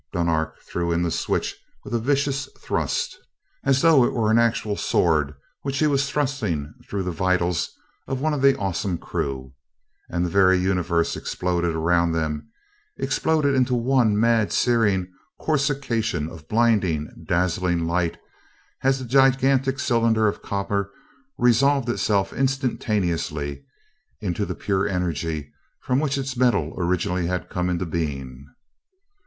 Dunark threw in the switch with a vicious thrust, as though it were an actual sword which he was thrusting through the vitals of one of the awesome crew, and the very Universe exploded around them exploded into one mad, searing coruscation of blinding, dazzling light as the gigantic cylinder of copper resolved itself instantaneously into the pure energy from which its metal originally had come into being.